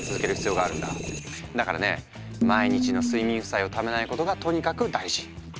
だからね毎日の睡眠負債をためないことがとにかく大事。